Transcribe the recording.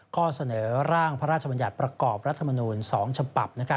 ข้อเสนอร่างพระราชบัญญัติประกอบรัฐมนูล๒ฉบับ